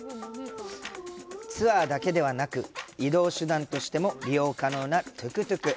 ツアーだけじゃなく移動手段としても利用可能なトゥクトゥク。